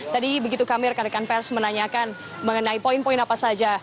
tadi begitu kamir kandikan pers menanyakan mengenai poin poin apa saja